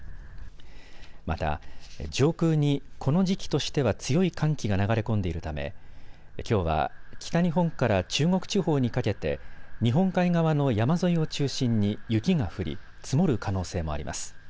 また上空にこの時期としては強い寒気が流れ込んでいるためきょうは北日本から中国地方にかけて日本海側の山沿いを中心に雪が降り、積もる可能性もあります。